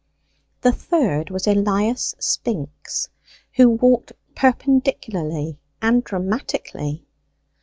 The third was Elias Spinks, who walked perpendicularly and dramatically.